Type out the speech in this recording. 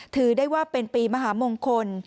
ถือได้ว่าเป็นปีมหามงคล